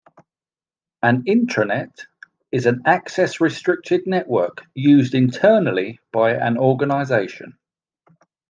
An "intranet" is an access-restricted network used internally in an organization.